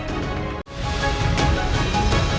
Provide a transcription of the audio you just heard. jangka proses ini cuma